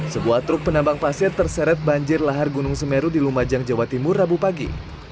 sebuah truk penambang pasir terseret banjir lahar gunung semeru di lumajang jawa timur rabu pagi